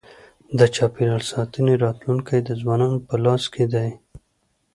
د چاپېریال ساتنې راتلونکی د ځوانانو په لاس کي دی.